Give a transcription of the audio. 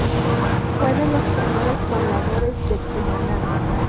Fue de los primeros pobladores de Cumaná.